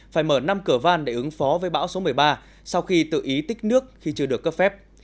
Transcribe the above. phải mở năm cửa van để ứng phó với bão số một mươi ba sau khi tự ý tích nước khi chưa được cấp phép